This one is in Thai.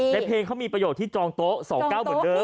ในเพลงเขามีประโยชน์ที่จองโต๊ะ๒๙เหมือนเดิม